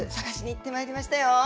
探しに行ってまいりましたよ。